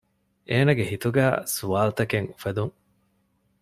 އޭނަގެ ހިތުގައި ސްވާލުތަކެއް އުފެދުން